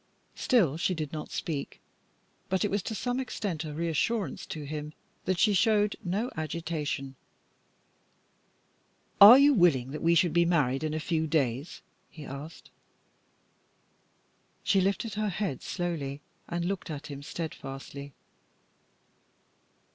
Still she did not speak, but it was to some extent a reassurance to him that she showed no agitation. "Are you willing that we should be married in a few days?" he asked. She lifted her head slowly, and looked at him steadfastly.